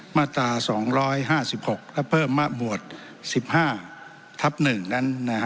มาตรา๒๕๖และเพิ่มมะหมวด๑๕ทับ๑นั้น